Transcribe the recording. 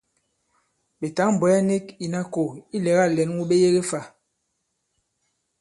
Ɓè tǎŋ-bwɛ̀ɛ nik ìna kō ilɛ̀gâ lɛ̌n wu ɓe yege fâ?